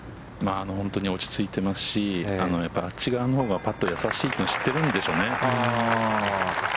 本当に落ち着いてますし、やっぱりあっち側のほうがパット易しいの知ってるんでしょうね。